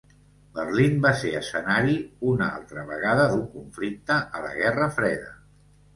Berlín va ser escenari una altra vegada d'un conflicte a la Guerra freda.